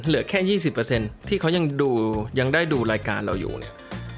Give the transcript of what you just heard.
เหลือแค่ยี่สิบเปอร์เซ็นต์ที่เขายังดูยังได้ดูรายการเราอยู่เนี้ยอ่า